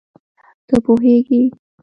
ته پوهېږې